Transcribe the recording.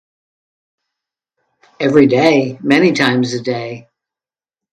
Every day, many times a day